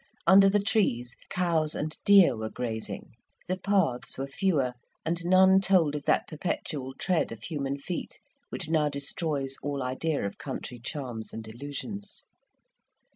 Under the trees cows and deer were grazing; the paths were fewer and none told of that perpetual tread of human feet which now destroys all idea of country charms and illusions.